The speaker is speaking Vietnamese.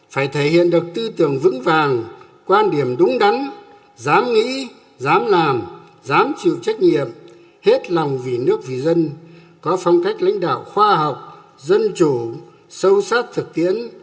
phải thể hiện được tư tưởng vững vàng quan điểm đúng đắn dám nghĩ dám làm dám chịu trách nhiệm hết lòng vì nước vì dân có phong cách lãnh đạo khoa học dân chủ sâu sắc thực tiễn